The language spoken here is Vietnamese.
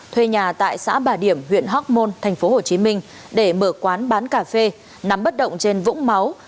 thuê nhà tại xã bà điểm huyện hóc môn tp hcm để mở quán bán cà phê nắm bất động trên vũng máu